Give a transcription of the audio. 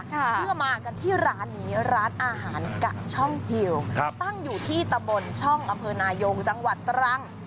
เพื่อมากันที่ร้านนี้ร้านอาหารกะช่องฮิวตั้งอยู่ที่ตะบนช่องอำเภอนายงจังหวัดตรัง